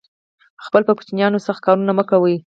خپل په کوچینیانو سخت کارونه مه کوی